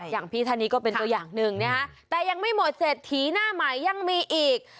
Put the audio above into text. อย่างพี่ท่านนี้ก็เป็นตัวอย่างหนึ่งนะฮะแต่ยังไม่หมดเศรษฐีหน้าใหม่ยังมีอีก